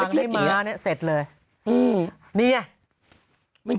ก็พอใส่ไม่เป็น